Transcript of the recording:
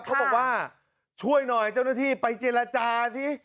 บอกว่าช่วยหน่อยเจ้าหน้าที่ไปเจรจาสิ